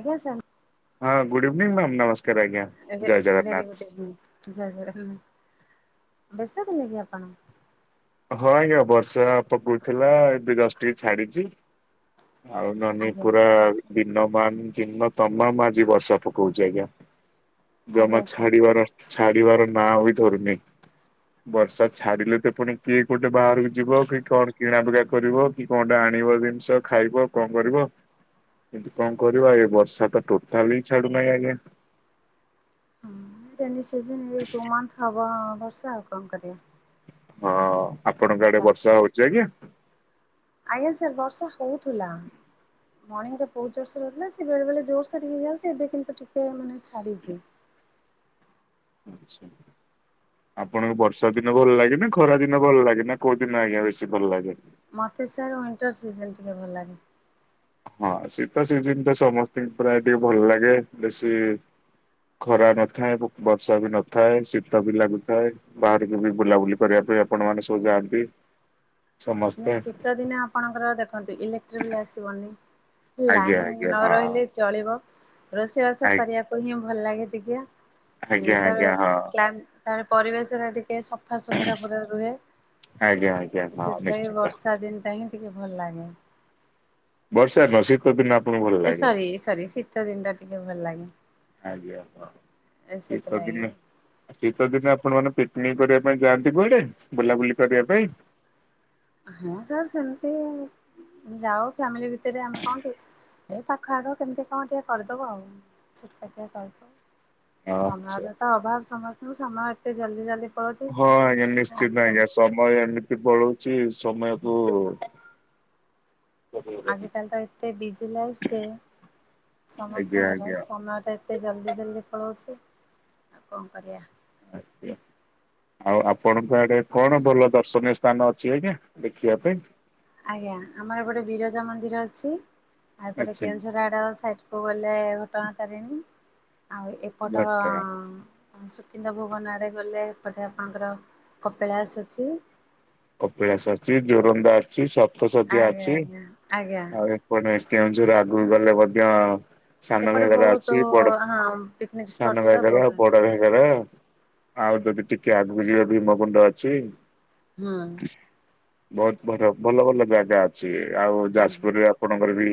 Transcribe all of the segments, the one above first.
ଆଜ୍ଞା ସାର୍। ହଁ good evening ma'am ନମସ୍କାର ଆଜ୍ଞା ଏବେ ଜୟ ଭେରି ଗୁଡ୍ ଜଗନ୍ନାଥ। ଇଭିନିଂ ଜୟ ଜଗନ୍ନା ବ୍ୟସ୍ତ ଥିଲେ କି ଆପଣ? ହଁ ଆଜ୍ଞା ବର୍ଷା ପକଉଥିଲା ଏବେ ଜଷ୍ଟ୍ ଟିକେ ଛାଡିଛି। ଆଉ ନହେଲେ ଆଜ୍ଞା ପୁରା ଦିନ ମାନ ଦିନ ତମାମ ଆଜି ବର୍ଷା ପକଉଛି ଆଜ୍ଞା। ଜମା ଆଜ୍ଞା ସାର୍ ଛାଡ଼ି ବାର ଛାଡ଼ି ବାର ନାଁ ବି ଧରୁନି। ବର୍ଷା ଛାଡ଼ିଲେ ତ ପୁଣି କିଏ କୋଉଠି ଟିକେ ବାହାରକୁ ଯିବ କି କଣ କିଣା ବିକା କରିବ କି କଣଟା ଆଣିବ ଜିନିଷ ଖାଇବ କଣ କରିବ। କିନ୍ତୁ କଣ କରିବା ଏ ବର୍ଷା ତ ଟୋଟାଲି ହିଁ ଛାଡୁନାହିଁ ଆଜ୍ଞା। ହୁଁ ତ ରେନି ସିଜନ୍ ଏଇ ଟୁ ମନ୍ଥ ହବ ବର୍ଷା ଆଉ କଣ କରିବା। ହଁ ଆପଣଙ୍କ ଆଡେ ଖରା ବର୍ଷା ହଉଛି ଆଜ୍ଞା? ଆଜ୍ଞା ସାର୍ ବର୍ଷା ହଉଥିଲା। ମଣିଙ୍ଗରେ ବହୁତ ଜୋରସରେ ହେଇଥିଲା ସେ ବେଳେ ବେଳେ ଜୋରସରେ ହେଇଯାଉଛି ଏବେ କିନ୍ତୁ ଟିକେ ମାନେ ଛାଡ଼ିଛିି। ଆଚ୍ଛା। ଆପଣଙ୍କୁ ବର୍ଷା ଦିନ ଭଲ ଲାଗେ ନାଁ ଖରା ଦିନ ଭଲ ଲାଗେ ନାଁ କୋଉ ଦିନ ଆଜ୍ଞା ବେଶୀ ଭଲ ଲାଗେ? ମତେ ସାର୍ ୱିଣ୍ଟର ସିଜିନ୍ ଟି ଭଲ ଲାଗେ। ହଁ ଶୀତ ସିଜିନ୍ ତ ସମସ୍ତିଙ୍କୁ ପ୍ରାୟ ଟିକେ ଭଲ ଲାଗେ ବେଶୀ ଖରା ନଥାଏ ବ ବର୍ଷା ବି ନଥାଏ ଶୀତ ବି ଲାଗୁଥାଏ ବାହାରକୁ ବି ବୁଲାବୁଲି କରିବା ପାଇଁ ଆପଣମାନେ ସବୁ ଯାଆନ୍ତି। ସମସ୍ତେ ଉଁ ଶୀତ ଦିନେ ଆପଣଙ୍କର ଦେଖନ୍ତୁ ଇଲେକ୍ଟ୍ରିବିଲ୍ ଆସିବନି। ଆଜ୍ଞା ଲାଇନ୍ ଆଜ୍ଞା ନ ହଁ ରହିଲେ ଚଳିବ ରୋଷେଇ ଆ ବାସ କରିବାକୁ ହିଁ ଭଲ ଲାଗେ ଟିକେ। ଆଜ୍ଞା ହୁଁ ଆଜ୍ଞା ତାପରେ ହଁ। ପ୍ଲାଣ୍ଟ୍ ତାପରେ ପରିବେଶ ଟା ଟିକେ ସ ସଫା ସୁତୁରା ପୁରା ରୁହେ ଆଜ୍ଞା ଆଜ୍ଞା ହଁ ସେଥିଲାଗି ନିଶ୍ଚିନ୍ତ ବର୍ଷା ଦିନଟା ହିଁ ଟିକେ ଭଲ ଲାଗେ। ବର୍ଷା ନୁହଁ ଶୀ ତ ଦିନ ଆପଣଙ୍କୁ ଭ ସରି ସରି ଶୀତ ଦିନ ଟା ଟିକେ ଭଲ ଲାଗେ। ଆଜ୍ଞା ହଁ ସେଥିଲାଗି। [unintelligible] ଶୀତ ଦିନେ ଆପଣ ମାନେ ପିକନିକ କରିବା ପାଇଁ ଯାଆନ୍ତି କୁଆଡେ? ବୁଲାବୁଲି କରିବା ପାଇଁ? ହଁ ସାର୍ ସେମିତି ଯାଉ ଫ୍ୟାମିଲି ଭିତରେ ଆମର। ଏ ପାଖ ଆଖ କେମିତି କଣ ଟିକେ କରିଦେବ ଆଉ ଛୁଟକାଟିଆ କରିଦବ। ହଁ ସମୟର ତ ଅଭାବ ସମସ୍ତଙ୍କୁ ସମୟ ଏତେ ଜଲଦି ଜଲଦି ହଁ ଆଜ୍ଞା ନିଶ୍ଚିତ ଆଜ୍ଞା ସମୟ ଏମିତି ପଳୁଛି ସମୟକୁ ଆଜିକାଲି ତ ଏତେ ବିଜି ଲାଇଫ ଯେ ଆଜ୍ଞା ସମସ୍ତଙ୍କର ଆଜ୍ଞା ସମୟଟା ଏତେ ଜଲ୍ଦି ଜଲଦି ପଳାଉଛି ଆଉ କଣ କରିବା। ଆଜ୍ଞା। ଆଉ ଆପଣଙ୍କ ଆଡେ କଣ ଭଲ ଦର୍ଶନୀୟ ସ୍ଥାନ ଅଛି ଆଜ୍ଞା ଦେଖିବା ପାଇଁ? ଆଜ୍ଞା ଆମର ଏପଟେ ବିରଜା ମନ୍ଦିର ଅଛି ଆଉପଟେ ଆଚ୍ଛା କେଉଁଝର ଆଡ ସାଇଟ୍ କୁ ଗଲେ ଘଟଣା ତାରିଣୀ, ଆଉ ଏପଟ ଘଟଗାଁ ସୁକିନ୍ଦା ଭୁବନ ଆଡ଼େ ଗଲେ ଏପଟେ ଆପଣଙ୍କର କପିଳାସ ଅଛି। କପିଳାସ ଅଛି ଜୋରନ୍ଦା ଅଛି ସପ୍ତସଜ୍ୟ ଆଜ୍ଞା ଅଛି ଆଜ୍ଞା ଆଜ୍ଞା ଆ [unintelligible] କେଉଝର ଆଗକୁ ଗଲେ ମଧ୍ୟ ସାନ ସେପଟେ ଘାଗରା ବହୁତ ଅଛି ବଡ ହଁ ପିକନିକ ସ୍ପଟ ସାନ ଗୁଡା ଘାଗରା ବହୁତ ଅଛି। ବଡ ଘାଗରା। ଆଉ ଯଦି ଟିକେ ଆଗକୁ ଯିବେ ଭୀମକୁୁଣ୍ଡ ଅଛି। ହଁ। ବହୁତ ଭଲ ଭଲ ଭଲ ଜାଗା ଅଛି, ଆଉ ଆଜ୍ଞା ଯାଜପୁରରେ ଆପଣଙ୍କର ବି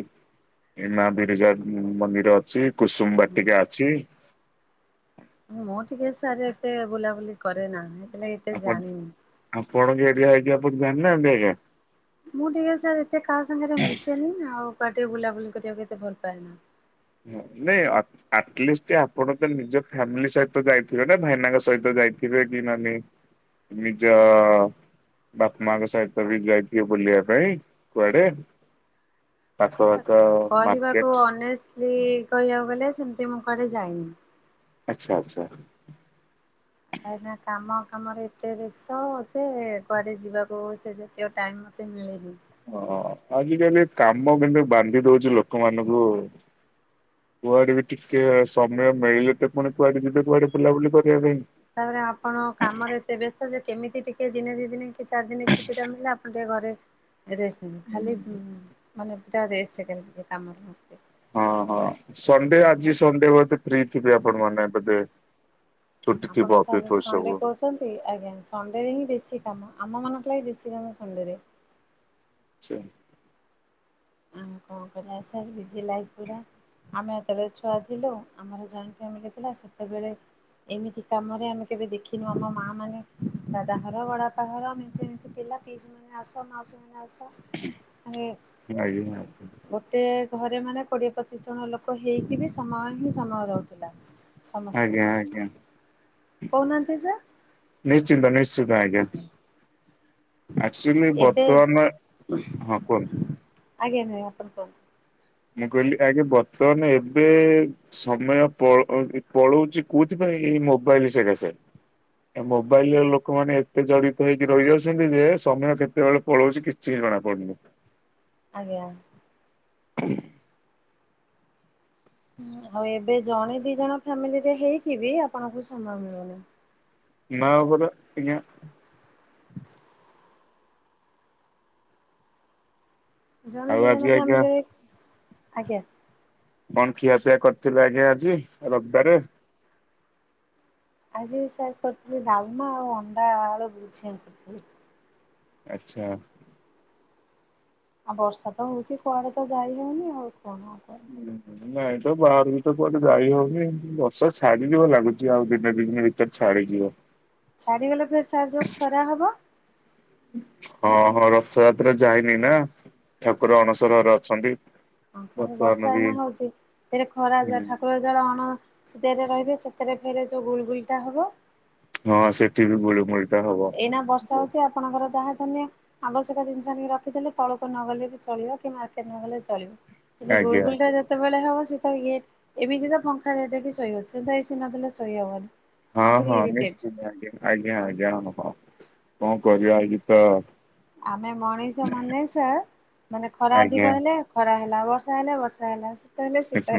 ମା ବିରିଜା ମନ୍ଦିର ଅଛି, ହୁଁ କୁସୁମବାଟିକା ଅଛି। ମୁଁ ଟିକେ ସାର୍ ଏତେ ବୁଲାବୁଲି କରେ ନା ହେଥିଲା ଏତେ ଜାଣିନି। ଆପଣ ଙ୍କ ଏରିଆ ହେଇକି ଆପଣ ଜାଣିନାହାନ୍ତି ଆଜ୍ଞା। ମୁଁ ଟିକେ ସାର୍ ଏତେ କାହା ସାଙ୍ଗରେ ମିଶେନି, ଆଉ କାହା ଟିକେ ବୁଲାବୁଲି କରିବାକୁ କେତେ ଭଲ ପାଏନା। [unintelligible] ଆଟଲିଷ୍ଟ୍ ଆପଣ ତ ନିଜ ଫ୍ୟାମିଲି ସହିତ ଯାଇଥିବେ ନା ଭାଇନାଙ୍କ ସହିତ ଯାଇଥିବେ କି ନନି ନିଜ ବାପା ମାଆଙ୍କ ସହିତ ବି ଯାଇଥିବେ ବୁଲିବା ପାଇଁ କୁଆଡେ? ପାଖ ପାଖ ମାର୍କେଟ [unintelligible] ସେ କହିବାକୁ ଗଲେ ସେମିତି ମୁଁ କଆଡେ ଯାଇନି। ଆଚ୍ଛା ଆଚ୍ଛା। କାହିଁକି ନା କାମ ଫାମରେ ଏତେ ବ୍ୟସ୍ତ ଯେ କୁଆଡ଼େ ଯିବାକୁ ସେ [unintelligible] ଟାଇମ୍ ମୋତେ ମିଳେନି। ହଁ ଆଜିକାଲି କାମ କିନ୍ତୁ ବାନ୍ଧି ଦୋଉଚି ଲୋକମାନଙ୍କୁ। କୁଆଡେ ବି ଟିକେ ସମୟ ପାଇଲେ ତ ପୁଣି କୁଆଡେ ଯିବେ କୁଆଡେ ବୁଲାବୁଲି କରିବା ପାଇଁ। ତାପରେ ଆପଣ କାମରେ ଏତେ ବ୍ୟସ୍ତ ଯେ କେମିତି ଟିକେ ଦିନେ ଦି ଦିନ କି ଚାରି ଦିନ ଛୁଟି ଟା ମିିଲେ ଆପଣ ଟିକେ ଘରେ ଟେଷ୍ଟ ଖାଲି ପାଇଁ। ମାନେ ପୁରା ରେଷ୍ଟ [unintelligible] ହଁ ହଁ ସଣ୍ଡେ ଆଜି ସଣ୍ଡେ ବୋଧେ ଫ୍ରି ଥିବେ ଆପଣ ମାନେ ବୋଧେ। ଛୁଟି ଆପଣ ଥିବ ସାର୍ [unintelligible] ସଣ୍ଡେ ସବୁ। ଆଜ୍ଞା ସଣ୍ଡେ ରେ ହିଁ ବେଶୀ କାମ, ଆମ ମାନଙ୍କ ଲାଗି ବେଶୀ କାମ ସଣ୍ଡେ ରେ। ଆଚ୍ଛା। ଆମ କଣ କରିବା ସାର୍ ବିଜି ଲାଇଫ ପୁରା। ଆମେ ଯେତେବେଳେ ଛୁଆ ଥିଲୁ ଆମର ଯଏଣ୍ଟ ଫ୍ୟାମିଲ ଥିଲୁ ସେତେବେଳେ ଏମିତି କାମରେ ଆମେ କେବେ ଦେଖିନୁ ଆମ ମାଆ ମାନେ ଦାଦା ଘର ବଡ ବାପା ଘର [unintelligible] ପିଲା ପିଶି ମାନେ ଆସ ମାଉସି [unintelligible] [unintelligible] ଗୋଟେ ଘରେ ମାନେ କୋଡ଼ିଏ ପଚିଶ ଜଣ ଲୋକ ହେଇକି ବି ସମୟ ହିଁ ସମୟ ରହୁଥିଲା ଆଜ୍ଞା ଆଜ୍ଞା ସମସ୍ତଙ୍କୁ। କହୁନାହାନ୍ତି ସାର୍? ନିଶ୍ଚିନ୍ତ ନିଶ୍ଚିନ୍ତ ଆଜ୍ଞା। ଆକ୍ଚୁଆଲି ଏବେ ବର୍ତ୍ତମାନର ହଁ କୁହନ୍ତୁ। ଆଜ୍ଞା ନାଇଁ ଆପଣ କୁହନ୍ତୁ। ମୁଁ କହିଲି ଆଜ୍ଞ ବର୍ତ୍ତମାନ ଏବେ ସମୟ ପ ପଳଉଛି କୋଉଥିପାଇଁ ଏଇ ମୋବାଇଲ ସେକାସେ। ଏ ମୋବାଇଲରେ ଲୋକମାନେ ଏତେ ଜଡିତ ହେଇକି ରହିଯାଉଛନ୍ତି ଯେ ସମୟ କେତେବେଳେ ପଳଉଛି କି ଛି କଣା ପଡୁନୀ। ଆଜ୍ଞା। [unintelligible] ଆଉ ଏବେ ଜଣେ ଦି ଜଣ ଫ୍ୟାମିଲିରେ ହେଇକି ବି ଆପଣଙ୍କୁ ସମୟ ମିଳୁନି। ନା ପରା ଆଜ୍ଞା। ଜଣେ ଆଉ ଦି ଆଜି ଜଣ ଆଜ୍ଞା ଫାମିଲି ଆଜ୍ଞା। କଣ ଖିଆପିଆ କରିଥିଲେ ଆଜ୍ଞା ଆଜି ରବିବାରେ? ଆଜି ବି ସାର୍ କରିଥିଲି ଡାଲମା ଆଉ ଅଣ୍ଡା ଆଳୁ ବୁଝିଆ କରିଥିଲି। ଆଛା। ଆଉ ବର୍ଷା ତ ହଉଛି କୁଆଡେ ତ ଯାଇ ହଉନି ଆଉ କଣ କ ହୁଁଁ ହୁଁ। ନାଇଁ ତ ବାହାରୁ ବି ତ କୁଆଡେ ଯାଇ ହଉନି ଏ ବର୍ଷ ଛାଡିଯିବା ଲାଗୁଚି ଆଉ ଦିନେ ଦି ଦିନ ଭିତରେ ଛାଡିଯିବ। ଛାଡ଼ିଗଲେ ଫେର୍ ସାର ଯୋଉ ଖରା ହେବ। ହଁ ହଁ ରଥଯାତ୍ରା ଯାଇନି ନା। ଠାକୁର ଅଣସର ଘରେ ଅଛନ୍ତି ବର୍ତ୍ତମାନ ବର୍ଷା ବି ଏଇନା ହଉଛି ଏରେ ଖରା ହୁଁ ଯା ଠାକୁର ଳଳେ ଅଣ ସଦେଇରେ ରହିବେ ସେଥିରେ ଫେରେ ଯୋଉ ଗୁଲ ଗୁଲଟା ହବ ହଁ ସେଠି ବି ଗୁଳିମୁଳିଟା ହବ। ଏଇନା ବର୍ଷା ହେଉଚି ଆପଣଙ୍କର ତାହା ଧନ୍ୟ ଆବଶ୍ୟକ ଜିନିଷ ଆଣିକି ରଖିଦେଲେ ତଳକୁ ନଗଲେ ବି ଚଳିବ କି ମାର୍କେଟ ନଗଲେ ବି ଚଳିବ। କି ଗୋଳ ଆଜ୍ଞା ଗୁଲଟା ଆଜ୍ଞା ଯେତେ ସେତେବେଳେ ହବ ସୀ ତ ଇ ଏମିତି ତ ପଙ୍ଖା ଦେଇକି ଶୋଇହଉଛି ଏସି ନଲେ ଶୋଇ ହବନି। ହଁ ଆହୁରି ହଁ ଇରିଟେଟ୍। ନିଶ୍ଚନ୍ତ ଆଜ୍ଞା ଆଜ୍ଞା ଆଜ୍ଞା ହଁ ହଁ। କଣ କରିବା ଆଜି ତ ଆମେ ମଣିଷ ମନଷ ମାନେ ସାର ଖରା ଆଜ୍ଞା ଅଧିକ ହେଲେ ଖରା ହେଲା ବର୍ଷା ହେଲା ବର୍ଷା ହେଲା ଶୀତ ହେଲେ ଶୀତ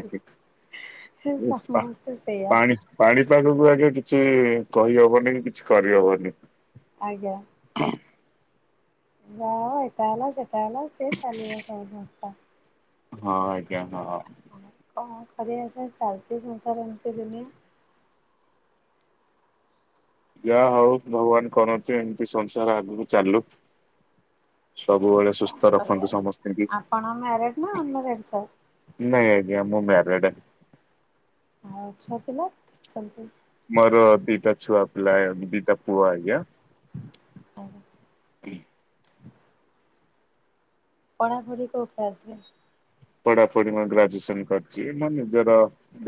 ହେଲା ପା- ସମସ୍ତେ ସେଇଆ। ପାଣି ପାଣିପାଗକୁ ଆଗେ କିଛି କହିହବନି କି କିଛି କରିହବନି। ଆଜ୍ଞା। ବା ଏଟା ହେଲା ସେଟା ହେଲା ସେ ଚାଲିବ ସବୁ ସଂସ୍ଥା। ହଁ ଆଜ୍ଞା ହଁ। କଣ କରିବା ସାର୍ ଚାଲିଚି ସଂସାର ଏମିତି ଦୁନିଆ। ଯା ହଉ ଭଗବାନ କରନ୍ତୁ ଏମିତି ସଂସାର ଆଗକୁ ଚାଲୁ। ସବୁବେଳେ କଣ ସୁସ୍ଥ ରଖନ୍ତୁ କରିବା ସାର୍। ସମସ୍ତିଙ୍କି। ଆପଣ ମ୍ୟାରେଡ୍ ନା ଅନମ୍ୟାରେଡ୍ ସାର୍? ନାଇଁ ଆଜ୍ଞା ମୁଁ ମ୍ୟାରେଡେ। ଆଉ ଛୁଅ ପିଲା [unintelligible] ମୋର ଦିଟା ଛୁଆ ପିଲା ଦିଟା ପୁଅ ଆଜ୍ଞା [unintelligible] [inaudible] ପଢାପଢି କଉ କ୍ଲାସ୍ ରେ? ପଢାପଢି ମୁଁ ଗ୍ରାଜ୍ୟୁଏସନ୍ କରିଚି ମୋ ନିଜର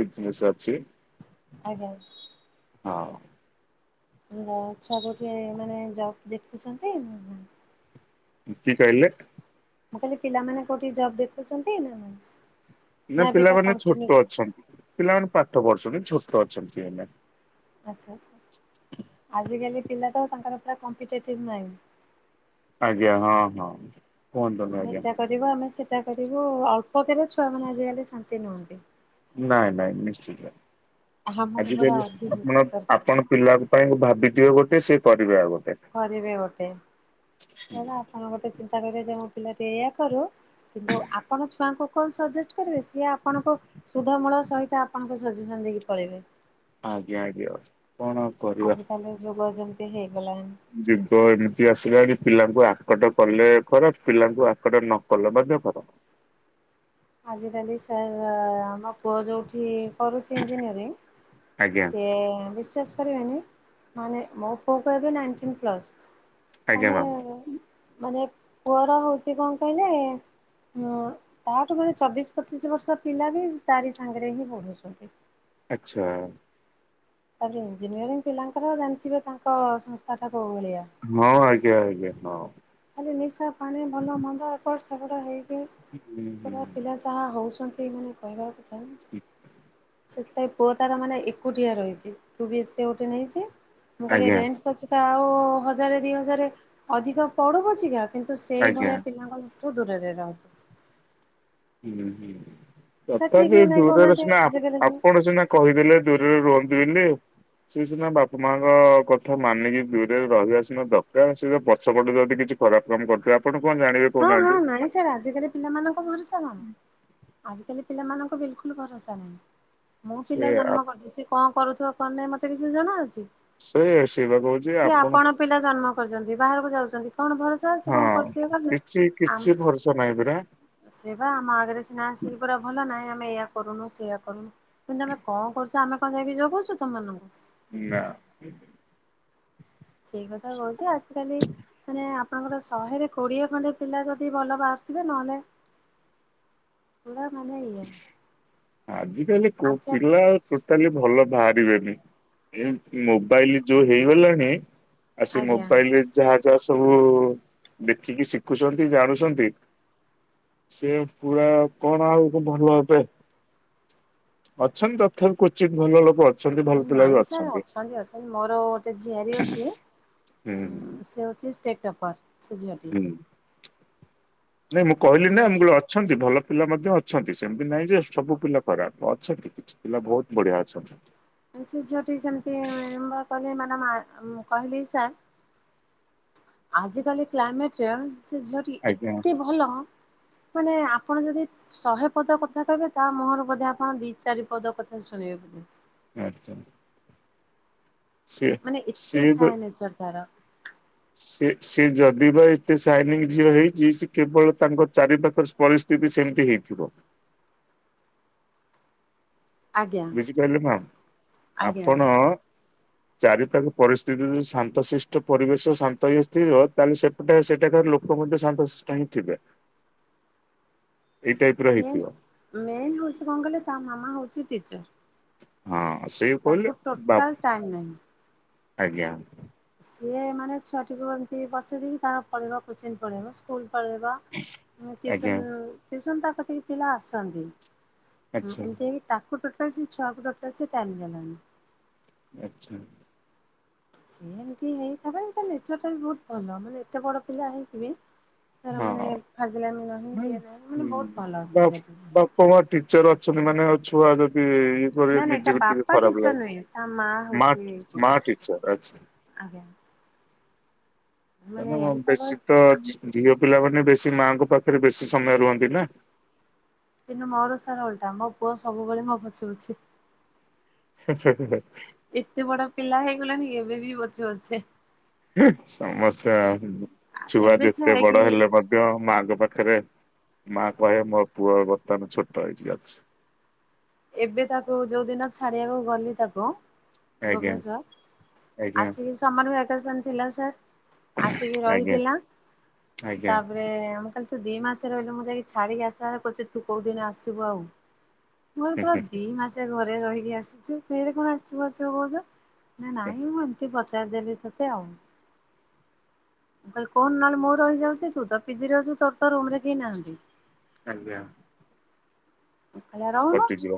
ବିଜ୍ନେସ୍ ଅଛି। ଆଜ୍ଞା। ହଁ। [unintelligible] ଏମାନେ ଜବ୍ ଦେଖୁଚନ୍ତି। କିଏ କହିଲେ? ମୁଁ କହିଲି ପିଲାମାନେ କଉଠି ଜବ୍ ଦେଖୁଚନ୍ତି ନା ନାହିଁ? ନା ପିଲାମାନେ ଛୋଟ ଅଛନ୍ତି ପିଲାମାନେ ପାଠ ପଢୁଚନ୍ତି ଛୋଟ ଅଛନ୍ତି ଏଇନେ। ଆଚ୍ଛା ଆଚ୍ଛା ଆଜିକାଲି ପିଲା ତ ତାଙ୍କର ପୁରା କମ୍ପିଟେଟିଭ ମାଇଣ୍ଡ୍। ଆଜ୍ଞା- ହଁ -ହଁ। କୁହନ୍ତୁନି ଆମେ ଆଜ୍ଞା ଏଟା କରିବୁ ଆମେ ସେଟା କରିବୁ ଅଳ୍ପକେରେ ଛୁଆ ମାନେ ଆଜିକାଲି ଶାନ୍ତି ନୁହନ୍ତି। ନାଇଁ ନାଇଁ ନିଶ୍ଚିତ ଆମକୁ ପୁରା ଆଜିିକାଲି ଅଧିକ ଆପଣ ଦରକାର। ଆପଣ ପିଲାଙ୍କ ପାଇଁ ଭାବିଥିବେ ଗୋଟେ ସିଏ କରିବେ ଆଉ ଗୋଟେ। କରିବେ ଗୋଟେ ସେଇଆ ଆପଣ ଗୋଟେ ଚିନ୍ତା କରିବେ ଯେ ମୋ ପିଲାଟି ଏଇଆ କରୁ କିନ୍ତୁ ଆପଣ ଛୁଆଙ୍କୁ କଣ ସଜେଷ୍ଟ୍ କରିବେ ସିଏ ଆପଣଙ୍କୁ ସୁଧ ମୂଳ ସହିତ ଆପଣଙ୍କ ସଜେସନ୍ ଦେଇକି ପଳେଇବେ। ଆଜ୍ଞା ଆଜ୍ଞା କଣ କରିବା ଆଜିକାଲି ଯୁଗ ଯେମିତି ହେଇଗଲାଣି। ଯୁଗ ଏମିତି ଆସିଲା କି ପିଲାଙ୍କୁ ଆକଟ କଲେ ଖରାପ୍ ପିଲାଙ୍କୁ ଆକଟ ନ କଲେ ମଧ୍ୟ ଖରାପ୍। ଆଜିକାଲି ସାର୍ ଆମ ପୁଅ ଯଉଠି କରୁଚି ଇଞ୍ଜିନିୟରିଂ ଆଜ୍ଞା ସିଏ ବିଶ୍ୱାସ୍ କରିବେନି ମାନେ ମୋ ପୁଅକୁ ଏବେ ନାଇନ୍ଟିନ୍ ପ୍ଲସ୍ ଆଜ୍ଞା ମାନେ ମ୍ୟାମ୍ ମାନେ ପୁଅର ହଉଚି କଣ କହିଲେ ତାଠୁ ମାନେ ଚବିଶ୍ ପଚିଶି ବର୍ଷ ପିଲା ବି ତାରି ସାଙ୍ଗେରେ ହିଁ ପଢୁଚନ୍ତି। ଆଚ୍ଛା। ତାପରେ ଇଞ୍ଜିନିୟରିଂ ପିଲାଙ୍କର ଜାଣିଥିବେ ତାଙ୍କ ସଂସ୍ଥା ଟା କଉ ଭଳିଆ। ହଁ ଆଜ୍ଞା -ଆଜ୍ଞା ହଁ। ଖାଲି ନିଶା ପାଣି ଭଲ ମନ୍ଦ ଏପଟ୍ ସେପଟ୍ ହେଇକି ହୁଁ ପୁରା ପିଲା ହୁଁ ଯାହା ହଉଚନ୍ତି ମାନେ କହିବା କଥା ସେଥିପାଇଁ ପୁଅ ତାର ମାନେ ଏକୁଟିଆ ରହିଚି ଟୁ ବି ଏଚ୍ କେ ଗୋଟେ ନେଇଚି ମୁଁ କହିଲି ଆଜ୍ଞା ରେଣ୍ଟ୍ ପଛେ ଆଉ ହଜାରେ ଦି ହଜାରେ ଅଧିକ ପଡୁ ପଛିିକା କିନ୍ତୁ ଆଜ୍ଞା ସେଇଭଳିଆ ପିଲାଙ୍କ ଠାରୁ ଦୂରରେ ରହ ତୁ। ହୁଁ ହୁଁ ସାର୍ ଠିକ୍ ତଥାପି ନା ନାଇଁ ଦୂରରେ କହୁନାହାନ୍ତି ସିନା ଆଜିକାଲି ଯୋଉ ଆ-ଆପଣ ସିନା କହିଦେଲେ ଦୂରରେ ରୁହନ୍ତି ବୋଲିି ସିଏ ସିନା ବାପା ମାଙ୍କ କଥା ମାନିକି ଦୂରରେ ରହିବା ସିନା ଦରକାର ସେ ପଛପଟେ ଯଦି କିଛି ଖରାପ୍ କାମ କରୁଥିବା ହଁ ହଁ ନାଇଁ ସାର୍ ଆଜିକାଲି ପିଲାମାନଙ୍କୁ ଭରଷା କଣ। ଆଜିକାଲି ପିଲାମାନଙ୍କୁ ବିଲକୁଲ୍ ଭରଷା ନାହିଁ ମୁଁ ସେ ପିଲା ଜନ୍ମ କରିଚି ସେ କଣ କରୁଥିବ କଣ ନାଇଁ ମତେ କିଛି ଜଣାଅଛି। ସେଇଆ ସେଇପା କହୁଚି ଆପଣଙ୍କୁ ପିଲା ଜନ୍ମ କରିଚନ୍ତି ବାହାରକୁ ଯାଉଚନ୍ତି କଣ ଭରଷା ଅଛି କଣ ହଁ କରୁଥିବେ କଣ ନାଇଁ। କିଛି କିଛି ଭରଷା ନାହିଁ ପରା। ସିଏ ବା ଆମ ଆଗେରେ ସିନା ଆସିକି ପୁରା ଭଲ ନାହିଁ ଆମେ ଏଇଆ କରୁନୁ ସେଇଆ କରୁନୁ କିନ୍ତୁ ତମେ କଣ କରୁଚ ଆମେ କଣ ଯାଇକି ଜଗୁଚୁ ତମ ମାନଙ୍କୁ। ନାଁ। ସେଇ କଥା କହୁଚି ଆଜିକାଲି ମାନେ ଆମର ଶହେରେ କୋଡ଼ିଏ ଖଣ୍ଡେ ପିଲା ଯଦି ଭଲ ବାହାରୁଥିବେ ନହେଲେ ପୁରା ମାନେ ଇଏ। ଆଜିକାଲି କୋ ଆଚାର ପିଲା ଟୋଟାଲି ଭଲ ବାହାରିବେନି ଏମୋବାଇଲ ଯୋଉ ହେଇଗଲାଣି ଆଉ ଆଜ୍ଞା ସେମୋବାଇଲରେ ଯାହା ଯାହା ସବୁ ଦେଖିକି ଶିଖୁଛନ୍ତି ଜାଣୁଛନ୍ତି ସିଏ ପୁରା କଣ ଆଉ ଭଲ ହେବେ ଅଛନ୍ତି ତଥାପି କ୍ଵଚିତ୍ ଭଲ ଲୋକ ଅ ନାଇଁ ସାର୍ ଅଛନ୍ତି ଅଛନ୍ତି ମୋର ଗୋଟେ ଝିଆରୀ ଅଛି ହୁଁ ସେହଉଛି ଷ୍ଟେଟ୍ ଟପର୍ ସେଝିଅଟି ହୁଁ। ନାଇଁ ମୁଁ କହିଲିନା ମୁଁ ଉଁ କହିଲି ଅଛ ଅଛନ୍ତି ଭଲ ପିଲା ମଧ୍ୟ ଅଛନ୍ତି ସେମିତି ନାହିଁଯେ ସବୁ ପିଲା ଖରାପ୍ ଅଛନ୍ତି। ପିଲା ବହୁତ୍ ବଢ଼ିଆ ଅଛନ୍ତି। ସେଝିଅଟି ସେମିତି କିମ୍ବା କହିଲେ ମାନେ ମା [unintelligible] ଆଜିକାଲି କ୍ଲାଇମେଟରେ ସେଝିଅଟି ଆଜ୍ଞା ଏତେ ଭଲ ମାନେ ଆପଣ ଯଦି ଶହେ ପଦ କଥା କହିବେ ତାମୁହଁରୁ ବୋଧେ ଆପଣ ଦି ଚାରି ପଦ କଥା ଶୁଣିବେ ବୋଧେ। ଆଚ୍ଛା। ସିଏ ମାନେ ଏତେ ସାଏ ନେଚର୍ ତାର। ସେ ସେ ଯଦିିବା ଏତେ ସାଇଲେଣ୍ଟ ଝିଅ ହେଇଚି ସେକେବଳ ତାଙ୍କ ଚାରିପାଖ ପରିସ୍ଥି ସ୍ଥିତି ସେମିତି ହେଇଥିବ। ଆଜ୍ଞା ବୁଝିପାରିଲେ ମା ଆଜ୍ଞା ଆପଣ ଚାରିପାଖ ପରିସ୍ଥିତି ଯଦି ଶାନ୍ତଶିଷ୍ଟ ପରିବେଶ ଶାନ୍ତିସ୍ଥିତି ତାହେଲେ ସେପଟେ ସେଟା ଲୋ ଲୋକ ମଧ୍ୟ ସାନ୍ତ ଶିଷ୍ଟହି ଥିବେ। [inaudible] ଏଇ ଟାଇପର ମେନ୍ ହେଇଥିବ। ମେନ୍ ହେଉଚି କଣ କହଲେ ତାମାମା ହେଉଚି ଟିଚର୍ ହଁ ସେଇ କହିଲେ ବାପ୍ ଟୋଟାଲ ଟାଇମ ନାହିଁ। ଆଜ୍ଞା। ସିଏ ମାନେ ଛୁଆଟିକୁ ଏମିତି ବସେଇ ଦେଇକି ତାର ପଳେଇବ କୋଚିଂ ପଳେଇବ ସ୍କୁଲ୍ ପଳେଇବ ଉଁ ଆଜ୍ଞା ଟିସନ୍ ଟିସନ୍ ତାକତି ପିଲା ଆସନ୍ତି। ଉଁ ଆଚ୍ଛା ଏମିତି ହେଇକି ତାକୁ ଟୋଟାଲ୍ ସେଛୁଆକୁ ଟୋଟାଲ ସେଟାଇମ୍ ଦେଲାନି। ଆଚ୍ଛା। ସିଏ ଏମତି ହେଇତାର ତାନେଚରଟାବି ବହୁତ୍ ଭଲ ମାନେ ଏତେ ବଡ଼ ପିଲା ହେଇକିବି ତାର ହଁ ମାନେ ଖାଜିଲାମ୍ ନାହିଁ ଇଏ ନାହିଁ ମାନେ ବହୁତ୍ ଭଲ ସେଝିଅଟି। ହଁ ମା ଟିଚର୍ ଅଛନ୍ତି ମାନେ ଆଉ ଛୁଆ ଯଦି କରିବେ ନାଇ ନାଇଁ ତା ନିଜକୁ ଟିକେ ବାପା ଖରାପ ଟିଚର ଲାଗେ ନୁହେଁ ତାମା ମା ହଉଚି ମା ଟିଚର ଆଚ୍ଛା। ଆଜ୍ଞା। ମାନେ ତମ ପାଗ ବେଶୀତ ଝିଅ ପିଲା ମାନେ ବେଶୀ ମାଆଙ୍କ ପାଖରେ ବେଶୀ ସମୟ ରୁହନ୍ତିନା? କିନ୍ତୁ ମୋର ସାର୍ ଓଲଟା ମୋ ପୁଅ ସବୁବେଳେ ମୋ ପଛେ ପଛେ। [unintelligible] ଏତେ ବଡ଼ ପିଲା ହେଇଗଲେଣି ଏବେବି ପଛେ ପଛେ। ସମସ୍ତେ ଛୁଆ ଏବେ ଯେତେ ଛାଡିକି ବଡ଼ ହେଲେ ମ ଧ୍ୟ ମାଆଙ୍କ ପାଖରେ ମାକହେ ମୋପୁଅ ବର୍ତ୍ତମାନେ ଛୋଟ ହେଇକି ଅଛି‌ ଏବେତାକୁ ଯୋଉଦିନ ଛାଡ଼ିବାକୁ ଗଲି ତାକୁ ଆଜ୍ଞା ଭୁବନେଶ୍ଵର ଆଜ୍ଞା ଆସିକି ସମାର ଭ୍ୟାକେସନ ଥିଲା ସାର୍ ଆସିକି ଆଜ୍ଞା ରହିଥିଲା ଆଜ୍ଞା ତାପରେ କାଲି ତୁ ଦି ମାସ ରହିଲୁ ମୁଁ ଯାଇକି ଛାଡ଼ିକି ଆସିବ କୁ ତୁ କୋଉଦିନ ଆସିବୁ ଆଉ। ମୋ ତୁ ପା ଆଜ୍ଞା ଦି ମାସେ ଘରେ ରହିକି ଆସିଛୁ ଫେରେ କଣ ଆସିିବୁ ଆସିବୁ କହୁଛ। ନା ନାଇଁ ମୁଁ ଏମିତି ପଚାରିଦେଲି ତତେ ଆଉ। ଭ କହ ନହେଲେ ମୁଁ ରହିଯାଉଛି ତୁ ତ ପିଜିରେଛୁ ତୋର ତ ରୁମ ରେ କେହି ନାହାନ୍ତି। ଆଜ୍ଞା। [unintelligible] ରହୁନୁ। କଟିଯିବ